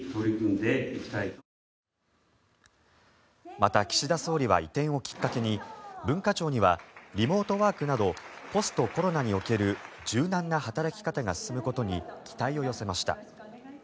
また、岸田総理は移転をきっかけに文化庁にはリモートワークなどポストコロナにおける柔軟な働き方が進むことに期待を寄せました。